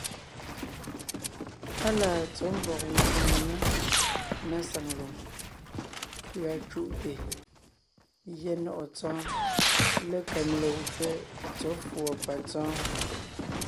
Á laa tsɔ̌ mvɔ̀g mvfò ngaŋá na saŋ lùm, pʉ̀a cúʼte gyɛ́ nɔ̀ʼɔ Tsɔ́ɔn lékem legwé tsɔ̌ fʉ̀ɔ patsɔ́ɔn.